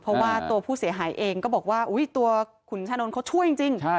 เพราะว่าตัวผู้เสียหายเองก็บอกว่าตัวขุนชานนท์เขาช่วยจริง